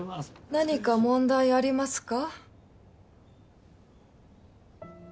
何か問題ありますか？